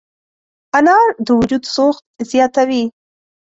انار د وجود سوخت زیاتوي.